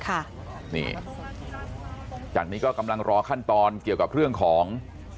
ค่ะนี่จากนี้ก็กำลังรอขั้นตอนเกี่ยวกับเรื่องของ